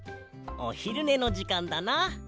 おひるねのじかんだな。